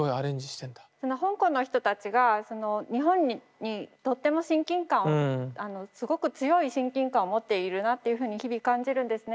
香港の人たちが日本にとっても親近感をすごく強い親近感を持っているなっていうふうに日々感じるんですね。